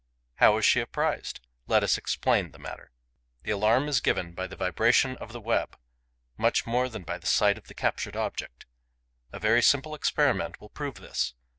How is she apprised? Let us explain the matter. The alarm is given by the vibration of the web, much more than by the sight of the captured object. A very simple experiment will prove this.